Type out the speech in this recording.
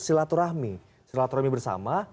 silaturahmi silaturahmi bersama